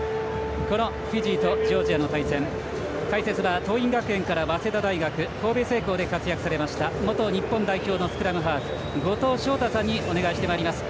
このフィジーとジョージアの対戦解説は早稲田大学神戸製鋼で活躍されました元日本代表のスクラムハーフ、後藤翔太さんにお願いしてまいります。